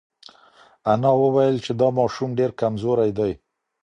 انا وویل چې دا ماشوم ډېر کمزوری دی.